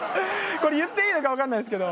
これ言っていいのかわかんないですけど。